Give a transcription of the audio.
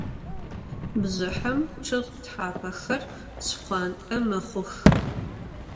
Bjjıhem ççıg thapexer şşxhuant'e mexhux.